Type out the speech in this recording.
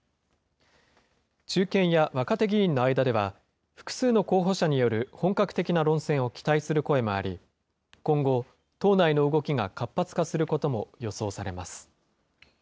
中堅や若手議員の間では、複数の候補者による本格的な論戦を期待する声もあり、今後、党内の動きが活発化することも予想されます。